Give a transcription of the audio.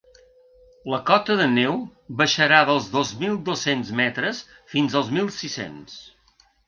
La cota de neu baixarà dels dos mil dos-cents metres fins als mil sis-cents.